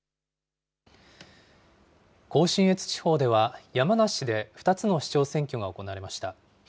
甲信越地方では、山梨で２つの市長選挙が行われました。